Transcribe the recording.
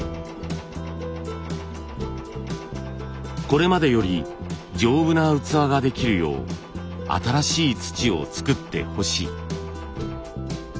これまでより丈夫な器ができるよう新しい土を作ってほしい。